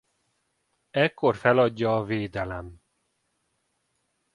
Ekkor feladja a védelem.